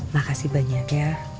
makasih banyak ya